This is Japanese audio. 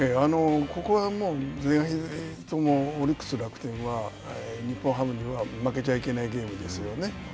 ここはもう是が非ともオリックス、楽天は日本ハムには負けちゃいけないゲームですよね。